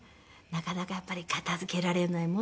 なかなかやっぱり片付けられないものですね。